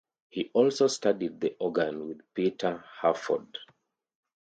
He also studied the organ with Peter Hurford.